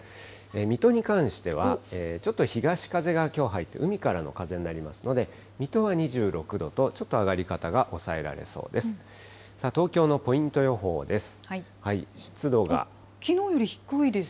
水戸に関しては、ちょっと東風がきょう入って海からの風になりますので、水戸は２６度と、ちょっと上がり方が抑えられそうです。